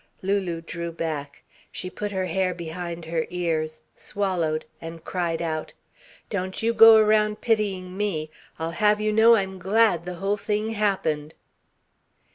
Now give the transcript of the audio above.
Lulu drew back. She put her hair behind her ears, swallowed, and cried out. "Don't you go around pitying me! I'll have you know I'm glad the whole thing happened!"